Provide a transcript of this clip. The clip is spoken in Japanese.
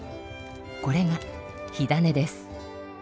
これが火種です。